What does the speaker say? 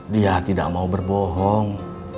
dia tidak mau berbohong